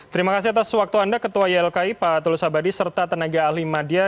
terima kasih atas waktu anda ketua ylki pak atul sabadi serta tenaga alim adia